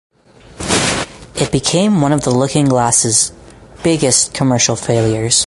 It became one of Looking Glass's biggest commercial failures.